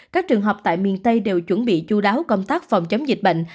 các trường hợp tại miền tây đều chuẩn bị chú đáo công tác phòng chấm dịch bệnh